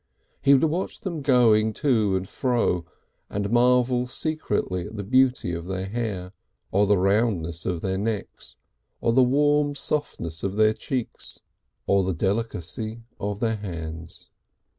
He would watch them going to and fro, and marvel secretly at the beauty of their hair or the roundness of their necks or the warm softness of their cheeks or the delicacy of their hands.